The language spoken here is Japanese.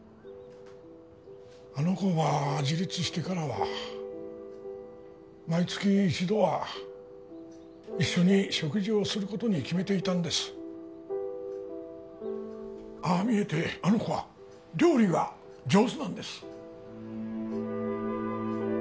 あの子が自立してからは毎月一度は一緒に食事をすることに決めていたんですああ見えてあの子は料理が上手なんです